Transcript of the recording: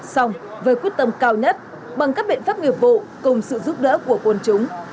xong với quyết tâm cao nhất bằng các biện pháp nghiệp vụ cùng sự giúp đỡ của quân chúng